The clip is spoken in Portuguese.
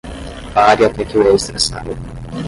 Pare até que o extra saia.